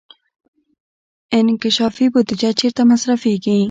انکشافي بودجه چیرته مصرفیږي؟